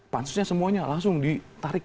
pasusnya semuanya langsung ditarik